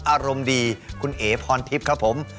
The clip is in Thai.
อารมณ์ดีคุณเอ๋พรทิพย์ครับผม